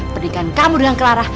pernikahan kamu dengan clara